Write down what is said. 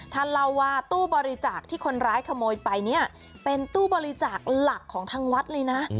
ท่านเล่าว่าตู้บริจาคที่คนร้ายขโมยไปเนี่ยเป็นตู้บริจาคหลักของทางวัดเลยนะ